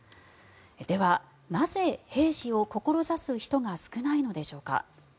では、なぜ兵士を志す人が少ないのでしょうか。